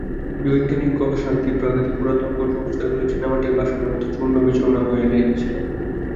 বৈজ্ঞানিক গবেষণার তীব্র আঘাতে পুরাতন কুসংস্কারগুলি চীনামাটির বাসনের মত চূর্ণ-বিচূর্ণ হইয়া যাইতেছিল।